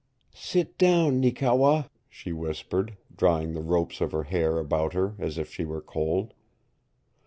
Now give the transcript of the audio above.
"Sit down, Neekewa," she whispered, drawing the ropes of her hair about her as if she were cold.